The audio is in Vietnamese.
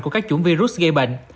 của các chủng virus gây bệnh